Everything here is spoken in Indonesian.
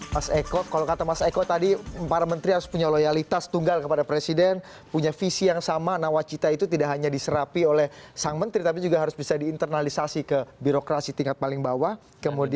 mas eko kalau kata mas eko tadi para menteri harus punya loyalitas tunggal kepada presiden punya visi yang sama nawacita itu tidak hanya diserapi oleh sang menteri tapi juga harus bisa diinternalisasi ke birokrasi tingkat paling bawah